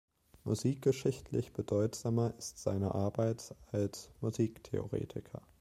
Musikgeschichtlich bedeutsamer ist seine Arbeit als Musiktheoretiker.